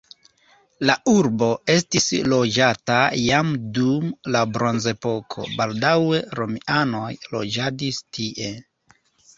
La urbo estis loĝata jam dum la bronzepoko, baldaŭe romianoj loĝadis tie.